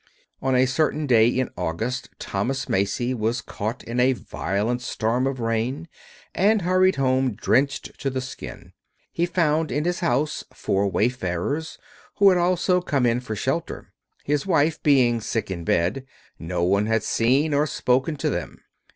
On a certain day in August, Thomas Macy was caught in a violent storm of rain, and hurried home drenched to the skin. He found in his house four wayfarers, who had also come in for shelter. His wife being sick in bed, no one had seen or spoken to them.